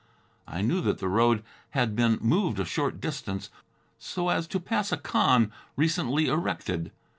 I knew that the road had been moved a short distance so as to pass a khan recently erected.